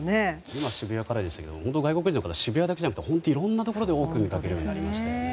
今、渋谷からでしたけど外国人の方を渋谷だけじゃなくていろんなところで見かけるようになりましたよね。